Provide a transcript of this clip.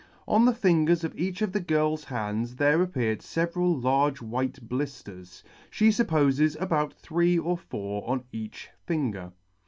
On the fingers of each of the girl's hands there appeared feveral large white blifters, fhe fuppofes about three or four on each finger.